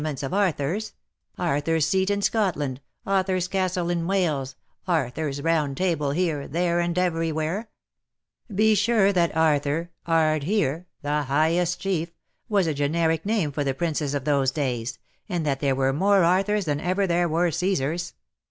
I. G 82 '^TINTAGELj HALF IX SEA^ AND HALF ON LAND." ments of Arthurs — Artliur^s Seat in Scotland, Arthur's Castle in Wales^ Arthur's Round Table here, there, and everywhere ? Be sure that Arthur — Ardheer — the highest chief — was a generic name for the princes of those days, and that there were more Arthurs than ever there were Caesars."